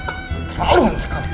kata yang sama